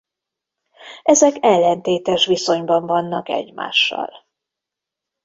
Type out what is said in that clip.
Ezek ellentétes viszonyban vannak egymással.